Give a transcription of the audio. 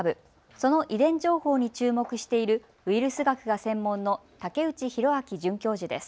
その遺伝情報に注目しているウイルス学が専門の武内寛明准教授です。